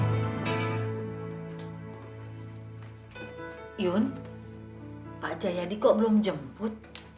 yun pak jayadi kok belum jemput